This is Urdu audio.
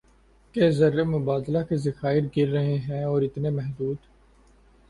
کہ زر مبادلہ کے ذخائر گر رہے ہیں اور اتنے محدود